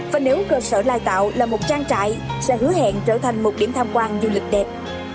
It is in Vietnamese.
và nếu cơ sở lai tạo là một trang trại sẽ hứa hẹn trở thành một điểm tham quan du lịch đẹp